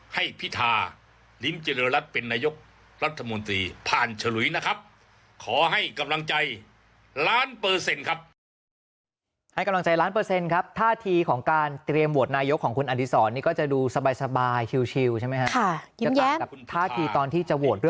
ให้พิธาลิมเจริญรักษ์เป็นนายกรัฐมนตรี